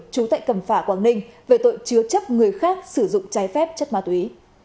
trú tại cẩm phả quảng ninh về tội chứa chấp người khác sử dụng trái phép chất ma túy